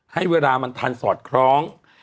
ให้เวลามันทันสอดคล้อง